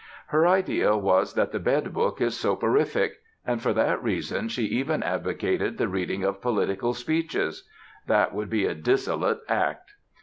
Her idea was that the bed book is soporific, and for that reason she even advocated the reading of political speeches. That would be a dissolute act.